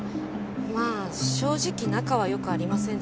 まあ正直仲は良くありませんでした。